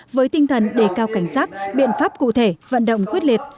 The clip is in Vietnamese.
với tinh thần đề cao cảnh giác biện pháp cụ thể vận động quyết liệt